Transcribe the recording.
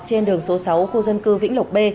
trên đường số sáu khu dân cư vĩnh lộc b